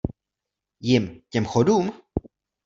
Jim, těm Chodům?!